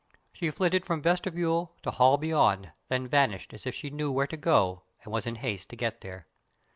She flitted from vestibule to hall beyond, then vanished as if she knew where to go and was in haste to get there.